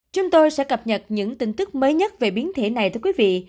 chúng tôi sẽ cập nhật những tin tức mới nhất về biến thể này thưa quý vị